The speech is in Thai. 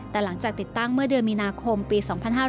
แต่หลังจากติดตั้งเมื่อเดือนมีนาคมปี๒๕๕๙